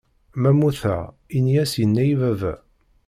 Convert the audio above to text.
Ma mmuteɣ ini-as yenna-yi baba.